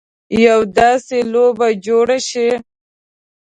یوه داسې لوبه جوړه شي.